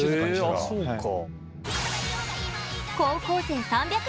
あそうか。